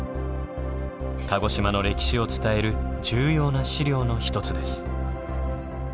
鹿児島の歴史を伝える重要な資料の一つです。